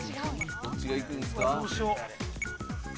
どっちがいくんですか？